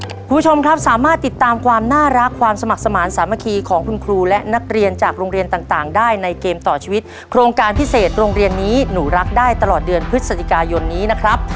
คุณผู้ชมครับสามารถติดตามความน่ารักความสมัครสมาธิสามัคคีของคุณครูและนักเรียนจากโรงเรียนต่างต่างได้ในเกมต่อชีวิตโครงการพิเศษโรงเรียนนี้หนูรักได้ตลอดเดือนพฤศจิกายนนี้นะครับ